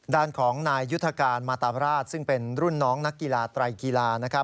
ด้านของนายยุทธการมาตามราชซึ่งเป็นรุ่นน้องนักกีฬาไตรกีฬานะครับ